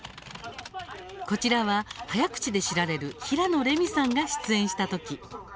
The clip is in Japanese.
こちらは早口で知られる平野レミさんが出演したとき。